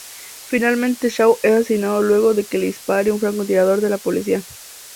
Finalmente Shaw es asesinado luego de que le dispare un francotirador de la policía.